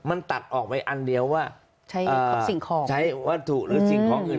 มันตัดออกไปอันเดียวว่าใช้ว่าถูกหรือสิ่งของอื่น